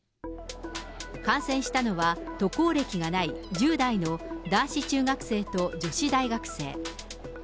感染したのは、渡航歴がない１０代の男子中学生と女子大学生。